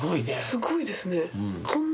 すごいですね。